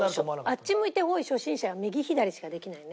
あっち向いてホイ初心者は右左しかできないね。